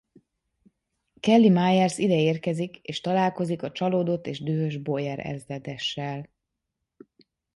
Kelly Meyers ide érkezik és találkozik a csalódott és dühös Boyer ezredessel.